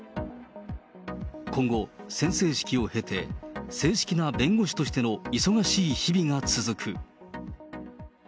今後、宣誓式を経て、正式な弁護士としての忙しい日々が続く。